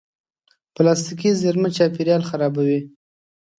پلاستيکي زېرمه چاپېریال خرابوي.